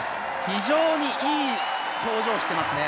非常にいい表情をしていますね。